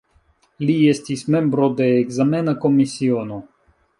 Li estis membro de ekzamena komisiono.